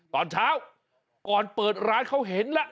ตอนเช้าก่อนเปิดร้านเขาเห็นแล้ว